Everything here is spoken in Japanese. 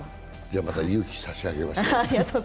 じゃあ、また勇気を差し上げましょう。